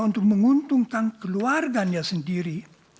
untuk menguntungkan keluarganya sendiri